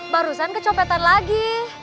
barusan kecopetan lagi